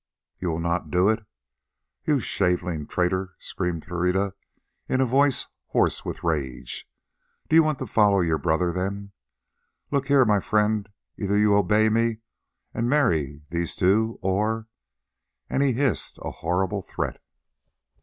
"You will not do it, you shaveling traitor?" screamed Pereira in a voice hoarse with rage. "Do you want to follow your brother then? Look here, my friend, either you obey me and marry these two or——" and he hissed a horrible threat.